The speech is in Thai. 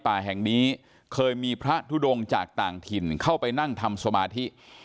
ป่าแห่งนี้เคยมีพระทุดงจากต่างถิ่นเข้าไปนั่งทำสมาธิ